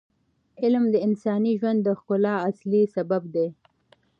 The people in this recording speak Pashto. علم د انساني ژوند د ښکلا اصلي سبب دی.